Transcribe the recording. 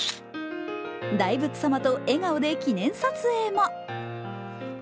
大仏様と笑顔で記念撮影も。